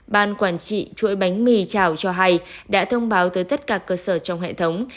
ban quản trị chuỗi bánh mì chảo cho hay đã thông báo tới tất cả cơ sở trong hệ thống